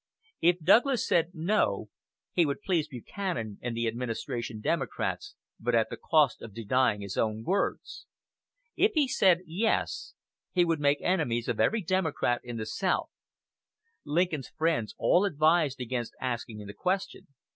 If Douglas said, "No," he would please Buchanan and the administration Democrats, but at the cost of denying his own words. If he said, "Yes," he would make enemies of every Democrat in the South. Lincoln's friends all advised against asking the question.